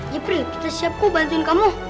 ya april kita siap ku bantuin kamu